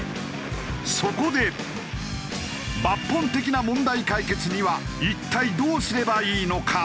そこで抜本的な問題解決には一体どうすればいいのか？